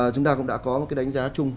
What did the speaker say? chúng ta cũng đã có một cái đánh giá chung